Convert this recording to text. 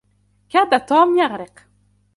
كاد توم يغرق